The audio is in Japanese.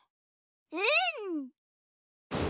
うん！